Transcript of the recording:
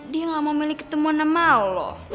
dia gak mau meli ketemu nama lo